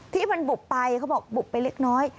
ที่มันบุบไปเขาบอกบุบไปเล็กน้อย